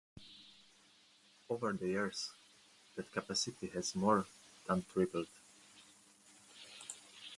Over the years, that capacity has more than tripled.